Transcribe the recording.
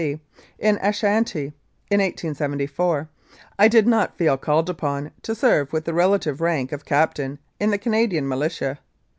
C., in Ashanti in 1874, I did not feel called upon to serve with the relative rank of captain in the Canadian Militia.